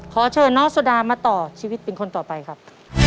ขอเชิญน้องโซดามาต่อชีวิตเป็นคนต่อไปครับ